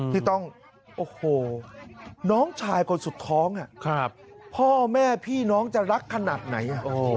ที่ต้องโอ้โหน้องชายคนสุดท้องพ่อแม่พี่น้องจะรักขนาดไหน